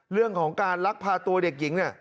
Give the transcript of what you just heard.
เรื่องของการลักพาตัวเด็กหญิงเนี่ย